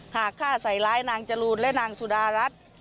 หากฆ่าใส่ร้ายนางจรูนและนางสุดารัฐ